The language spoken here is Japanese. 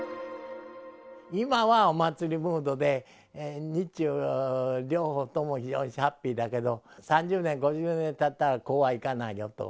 今はお祭りムードで、日中両国とも非常にハッピーだけど、３０年、５０年たったらこうはいかないよと。